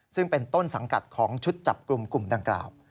ซึ่งเป็นต้นสังกัดของชุดจับกลุ่มกลุ่มดังกล่าว